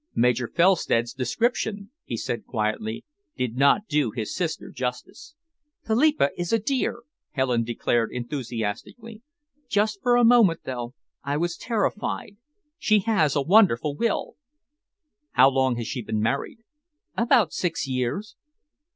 "Major Felstead's description," he said quietly, "did not do his sister justice." "Philippa is a dear," Helen declared enthusiastically. "Just for a moment, though, I was terrified. She has a wonderful will." "How long has she been married?" "About six years."